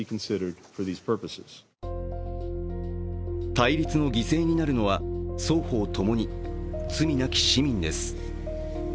対立の犠牲になるのは双方ともに罪なき市民です。